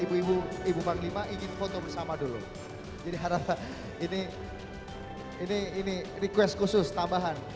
ibu ibu ibu panglima ingin foto bersama dulu jadi harap ini ini request khusus tambahan